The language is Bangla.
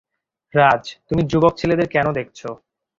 রাজ, তুমি যুবক ছেলেদের কেন দেখছো?